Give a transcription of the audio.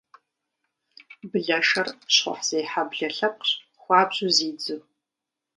Блэшэр щхъухьзехьэ блэ лъэпкъщ, хуабжьу зидзу.